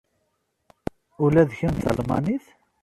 Ula d kemm d Talmanit?